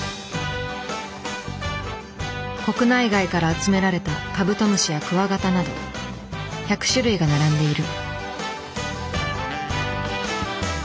国内外から集められたカブトムシやクワガタなど１００種類が並んでいる。